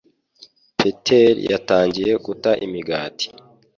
Peter yatangiye guta imigati.